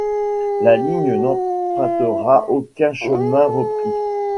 La ligne n'empruntera aucun Chemin repris.